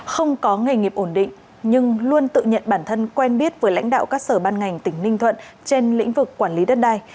không có nghề nghiệp ổn định nhưng luôn tự nhận bản thân quen biết với lãnh đạo các sở ban ngành tỉnh ninh thuận trên lĩnh vực quản lý đất đai